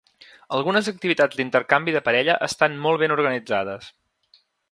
Algunes activitats d'intercanvi de parella estan molt ben organitzades.